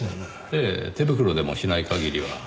ええ手袋でもしない限りは。